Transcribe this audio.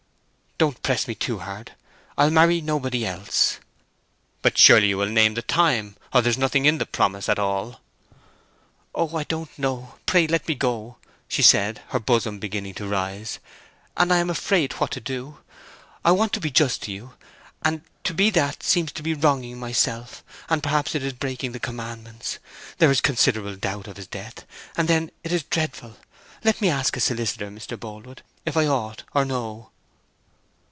"Don't press me too hard. I'll marry nobody else." "But surely you will name the time, or there's nothing in the promise at all?" "Oh, I don't know, pray let me go!" she said, her bosom beginning to rise. "I am afraid what to do! I want to be just to you, and to be that seems to be wronging myself, and perhaps it is breaking the commandments. There is considerable doubt of his death, and then it is dreadful; let me ask a solicitor, Mr. Boldwood, if I ought or no!"